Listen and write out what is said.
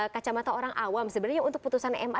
kacamata orang awam sebenarnya untuk putusan ma